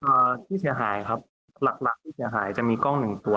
อ่าที่เสียหายครับหลักหลักที่เสียหายจะมีกล้องหนึ่งตัว